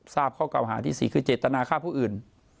ทราบข้อเก่าหาที่๔คือเจตนาฆ่าผู้อื่น